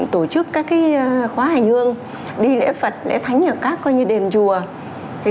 tổ chức các khóa hành hương đi lễ phật lễ thánh ở các đền chùa